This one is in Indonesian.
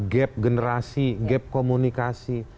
gap generasi gap komunikasi